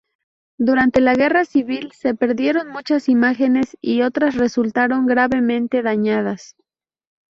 Durante la Guerra Civil se perdieron muchas imágenes y otras resultaron gravemente dañadas.